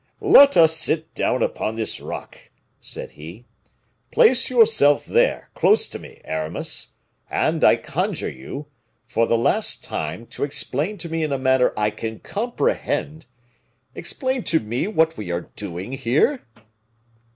"Let us sit down upon this rock," said he. "Place yourself there, close to me, Aramis, and I conjure you, for the last time, to explain to me in a manner I can comprehend explain to me what we are doing here."